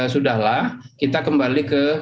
sudah lah kita kembali ke